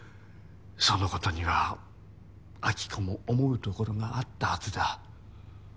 そのことには暁子も思うところがあったはずだ。